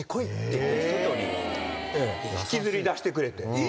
引きずり出してくれて。